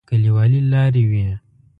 کليوالي لارې وې.